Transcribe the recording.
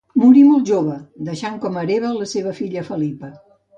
Morí molt jove, deixant com a hereva la seva filla Felipa.